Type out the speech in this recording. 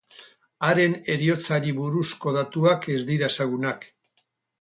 Haren heriotzari buruzko datuak ez dira ezagunak.